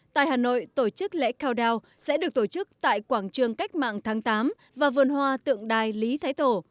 tại hà nội tổ chức lễ cao đao sẽ được tổ chức tại quảng trường cách mạng tháng tám và vườn hoa tượng đài lý thái tổ